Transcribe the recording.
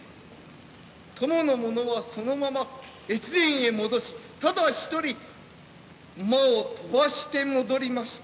供の者はそのまま越前へ戻しただ一人馬を飛ばして戻りました。